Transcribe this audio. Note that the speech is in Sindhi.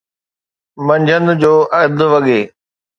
منجھند جو اڌ وڳي